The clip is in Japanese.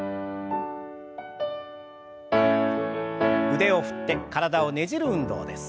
腕を振って体をねじる運動です。